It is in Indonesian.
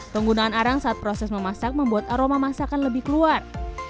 penggunaan arang saat proses memasak membuat aroma masakan lebih keluar